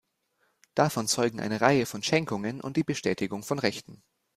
Davon zeugen eine Reihe von Schenkungen und die Bestätigung von Rechten.